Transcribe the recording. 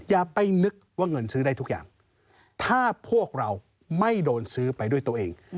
อย่าไปนึกว่าเงินซื้อได้ทุกอย่างถ้าพวกเราไม่โดนซื้อไปด้วยตัวเอง